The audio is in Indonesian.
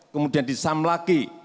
kemudian di samlaki